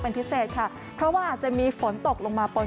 เป็นพิเศษค่ะเพราะว่าอาจจะมีฝนตกลงมาปน